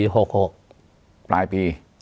ปลายปี